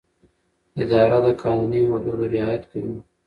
اداره د قانوني حدودو رعایت کوي.